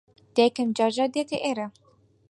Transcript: دایکم جار جار دێتە ئێرە.